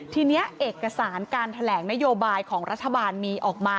ทีนี้เอกสารการแถลงนโยบายของรัฐบาลมีออกมา